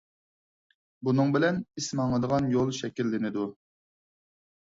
بۇنىڭ بىلەن ئىس ماڭىدىغان يول شەكىللىنىدۇ.